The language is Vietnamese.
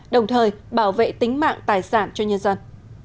đồng thời bảo vệ tính mạng tài sản cho nhân dân